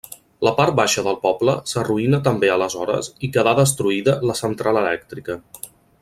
La part baixa del poble s'arruïna també aleshores i quedà destruïda la central elèctrica.